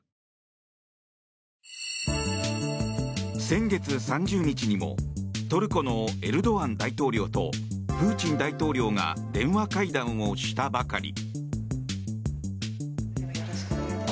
先月３０日にもトルコのエルドアン大統領とプーチン大統領が電話会談をしたばかり。